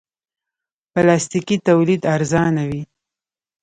پلاستيکي تولید ارزانه وي.